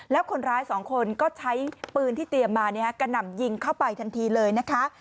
แล้วคนร้ายสองคนก็ใช้ปืนที่เตรียมมากระหน่ำยิงเข้าไปทันทีเลยนะคะ